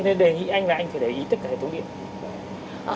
đấy thế nên đề nghị anh là anh phải để ý tất cả hệ thống điện